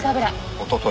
おととい。